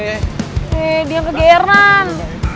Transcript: eh dia kegeran